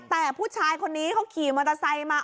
แต่ผู้ชายคนนี้เขาขี่มอเตอร์ไซค์มา